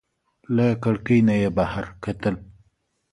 له کړکۍ نه یې بهر کتل.